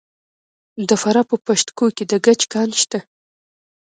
د فراه په پشت کوه کې د ګچ کان شته.